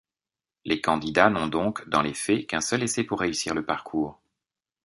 Les candidats n'ont donc, dans les faits, qu'un seul essai pour réussir le parcours.